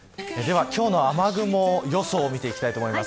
は今日の雨雲予想を見ていきたいと思います。